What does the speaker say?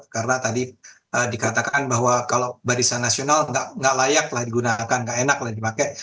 karena tadi dikatakan bahwa kalau barisan nasional nggak layaklah digunakan nggak enaklah dipakai